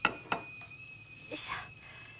よいしょ。